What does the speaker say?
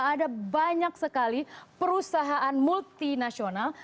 ada banyak sekali perusahaan multinasional